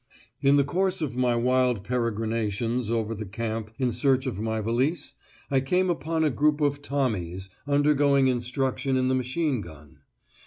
In the course of my wild peregrinations over the camp in search of my valise, I came upon a group of Tommies undergoing instruction in the machine gun.